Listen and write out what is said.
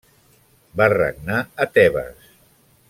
Va regnar a Tebes.